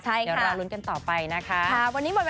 ใช่ค่ะค่ะวันนี้หมดไปแล้วนะฮะ